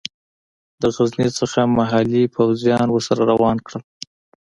د غزني څخه محلي پوځیان ورسره روان کړل.